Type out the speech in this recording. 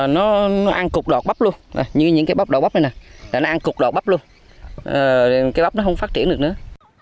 nó ăn cục đọt bắp luôn như những cái bắp đỏ bắp này nè nó ăn cục đọt bắp luôn cái bắp nó không phát triển được nữa